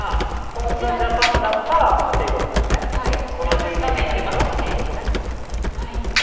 本田ジャパンだったらということですね。